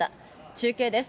中継です。